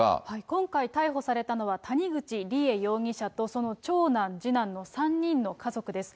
今回逮捕されたのは、谷口梨恵容疑者と、その長男、次男の３人の家族です。